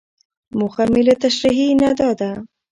موخه مې له تشريحي نه دا ده.